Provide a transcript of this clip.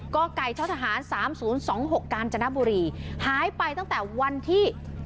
ก็ไกลเช้าทหารสามศูนย์สองหกกาญจนบุรีหายไปตั้งแต่วันที่